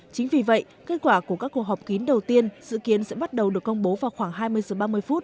chính vì vậy kết quả của các cuộc họp kín đầu tiên dự kiến sẽ bắt đầu được công bố vào khoảng hai mươi giờ ba mươi phút